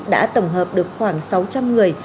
đã tổng hợp được khoảng sáu trăm linh người